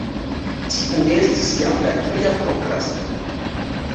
Tiu estis jam la tria prokrasto.